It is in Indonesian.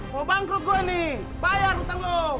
mau bangkrut gue nih bayar hutang lo